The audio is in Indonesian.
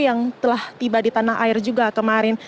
yang telah tiba di tanah air juga kemarin